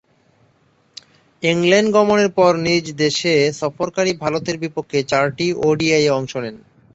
England গমনের পর নিজ দেশে সফরকারী ভারতের বিপক্ষে চারটি ওডিআইয়ে অংশ নেন।